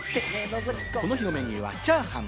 この日のメニューはチャーハン。